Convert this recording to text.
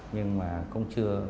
nhưng mà cũng chưa